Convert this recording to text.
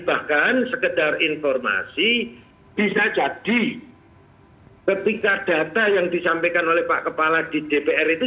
bahkan sekedar informasi bisa jadi ketika data yang disampaikan oleh pak kepala di dpr itu